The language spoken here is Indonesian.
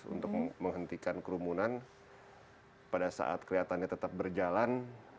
untuk menghentikan kerumunan pada saat kelihatannya tetap berjalan